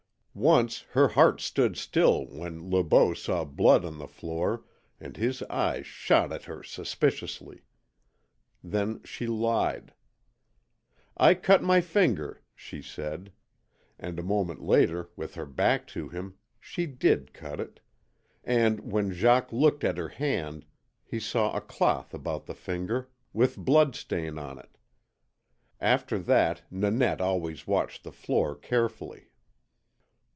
Once her heart stood still when Le Beau saw blood on the floor, and his eyes shot at her suspiciously. Then she lied. "I cut my finger she said," and a moment later, with her back to him, she DID cut it, and when Jacques looked at her hand he saw a cloth about the finger, with blood stain on it. After that Nanette always watched the floor carefully.